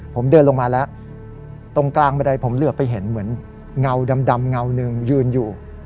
ผมเดินลงมาแล้วตรงกลางบันไดผมเหลือไปเห็นเหมือนเงาดำเงาหนึ่งยืนอยู่